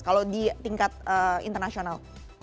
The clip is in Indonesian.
kalau di tingkat internasional